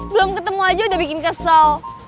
belom ketemu aja udah bikin kesel